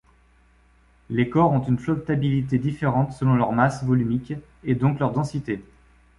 Les corps ont une flottabilité différente selon leur masse volumique et donc leur densité.